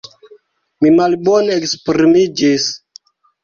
Mi malbone esprimiĝis!